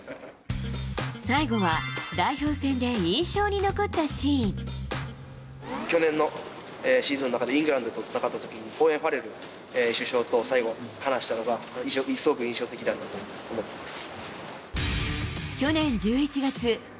最後は、去年のシーズンの中で、イングランドと戦ったときに、オーウェン・ファレル主将と最後、話したのがすごく印象的だったと思います。